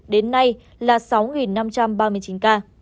đến nay là sáu năm trăm ba mươi chín ca